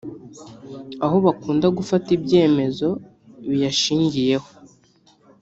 aho bakunda gufata ibyemezo biyashingiyeho